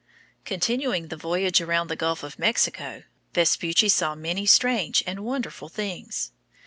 Continuing the voyage around the Gulf of Mexico, Vespucci saw many strange and wonderful things.